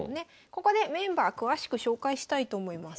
ここでメンバー詳しく紹介したいと思います。